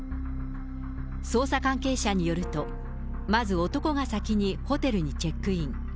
捜査関係者によると、まず男が先にホテルにチェックイン。